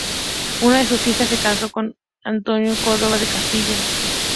Una de sus hijas se casó con Antonio Cánovas del Castillo.